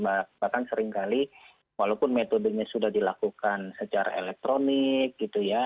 bahkan seringkali walaupun metodenya sudah dilakukan secara elektronik gitu ya